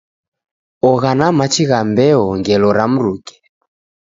Ogha na machi gha mbeo ngelo ra mruke.